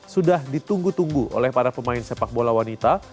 sudah ditunggu tunggu oleh para pemain sepak bola wanita